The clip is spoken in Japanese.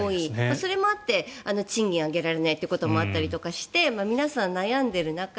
それもあって賃金を上げられないということもあったりとかして皆さん悩んでいる中